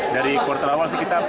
dari kuartal awal sekitar